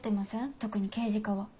特に刑事課は。